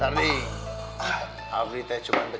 nanti habis teh coba ya pak